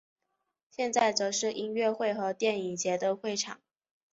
现在则是音乐会和电影节的会场。